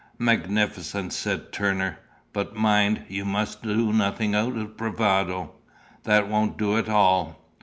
"Magnificent!" said Turner; "but mind, you must do nothing out of bravado. That won't do at all."